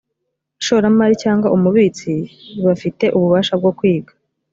ishoramari cyangwa umubitsi bafite ububasha bwo kwiga